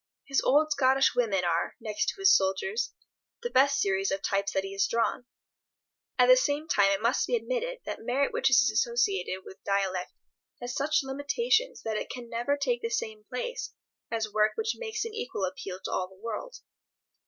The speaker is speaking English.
His old Scottish women are, next to his soldiers, the best series of types that he has drawn. At the same time it must be admitted that merit which is associated with dialect has such limitations that it can never take the same place as work which makes an equal appeal to all the world.